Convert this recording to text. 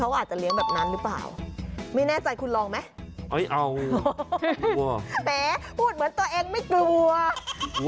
พูดเหมือนตัวเองไม่กลัว